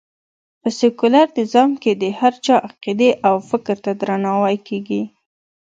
په سکیولر نظام کې د هر چا عقېدې او فکر ته درناوی کېږي